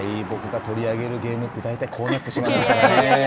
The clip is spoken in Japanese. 僕が取り上げるゲームって大体こうなってしまいますからね。